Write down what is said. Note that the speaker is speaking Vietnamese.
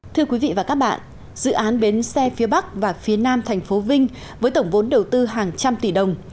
thưa quý vị và các bạn dự án bến xe phía bắc và phía nam thành phố vinh với tổng vốn đầu tư hàng trăm tỷ đồng